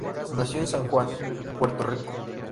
Nació en San Juan, Puerto Rico.